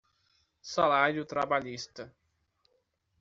Salário trabalhista